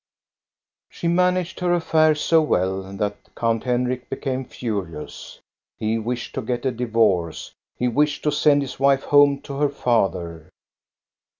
She managed her affair so well that Count Henrik became furious. He wished to get a divorce. He wished to send his wife home to her father.